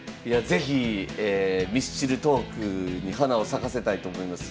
是非ミスチルトークに花を咲かせたいと思います。